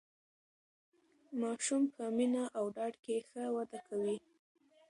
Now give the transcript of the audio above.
ماسوم په مینه او ډاډ کې ښه وده کوي.